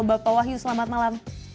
bapak wahyu selamat malam